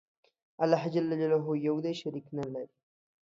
الله ج یو دی شریک نه لری